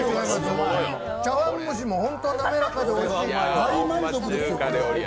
茶わん蒸しも本当、なめらかでおいしい、大満足ですよ。